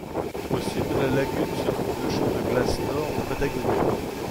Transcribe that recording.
Au sud de la lagune se trouve le champ de glace Nord de Patagonie.